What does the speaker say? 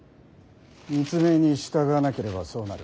密命に従わなければそうなる。